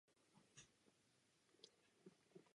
Chtěl bych se rovněž zmínit o zásadě solidarity.